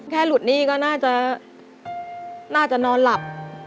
หลุดหนี้ก็น่าจะน่าจะนอนหลับ